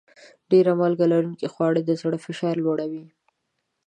ډېر مالګه لرونکي خواړه د زړه فشار لوړوي.